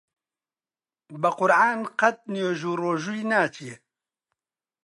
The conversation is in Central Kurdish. بە قورعان قەت نوێژ و ڕۆژووی ناچێ!